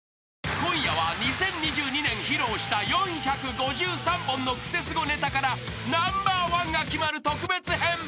［今夜は２０２２年披露した４５３本のクセスゴネタからナンバーワンが決まる特別編］